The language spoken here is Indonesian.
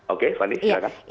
oke fandi silahkan